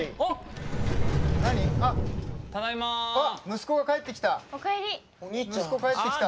息子が帰ってきた。